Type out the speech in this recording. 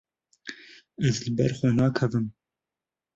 Ez li ber xwe nakevim.